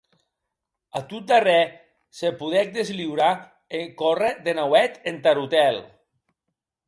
A tot darrèr se podec desliurar e córrec de nauèth entar otèl.